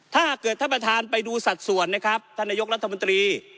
ถ้าเกิดท่านประธานไปดูสัดส่วนนะครับท่านนายกรัฐมนตรี